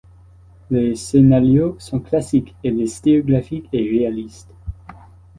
Les scénarios sont classiques et le style graphique est réaliste.